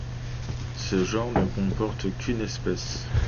Ce genre ne comporte qu'une espèce.